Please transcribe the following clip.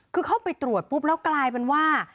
คือเข้าไปตรวจปุ๊บแล้วกลายเป็นว่า